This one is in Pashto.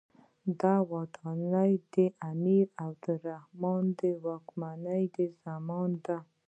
دا ودانۍ د امیر عبدالرحمن خان د واکمنۍ د زمانې ده.